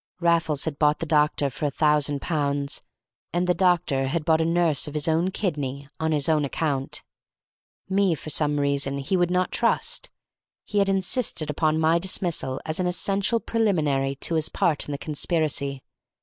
Raffles had bought the doctor for a thousand pounds, and the doctor had bought a "nurse" of his own kidney, on his own account; me, for some reason, he would not trust; he had insisted upon my dismissal as an essential preliminary to his part in the conspiracy.